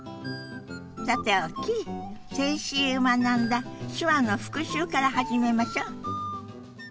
さておき先週学んだ手話の復習から始めましょ。